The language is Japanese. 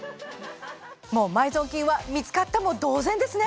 もう埋蔵金は見つかったも同然ですね！